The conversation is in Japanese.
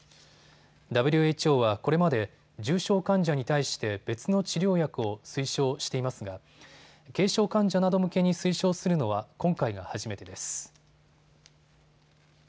ＷＨＯはこれまで重症患者に対して別の治療薬を推奨していますが軽症患者など向けに推奨するのは今回が初めてです。